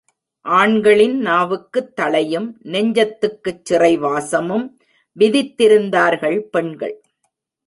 ஆண்களின் நாவுக்குத் தளையும், நெஞ்சத்துக்குச் சிறை வாசமும் விதித்திருந்தார்கள் பெண்கள்.